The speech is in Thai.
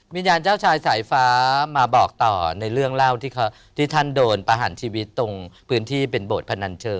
วิญญาณเจ้าชายสายฟ้ามาบอกต่อในเรื่องเล่าที่ท่านโดนประหารชีวิตตรงพื้นที่เป็นโบสถพนันเชิง